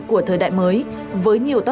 của thời đại mới với nhiều tài liệu